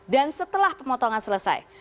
dan setelah pemotongan selesai